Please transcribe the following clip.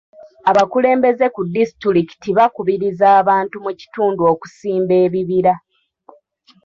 Abakulembeze ku disitulikiti bakubirizza abantu mu kitundu okusimba ebibira.